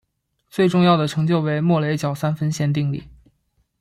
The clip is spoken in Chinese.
最重要的成就为莫雷角三分线定理。